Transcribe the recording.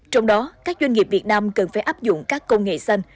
trong đó các doanh nghiệp việt nam cần phải áp dụng các công nghệ xanh